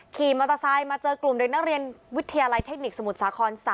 ขี่มอเตอร์ไซค์มาเจอกลุ่มเด็กนักเรียนวิทยาลัยเทคนิคสมุทรสาคร๓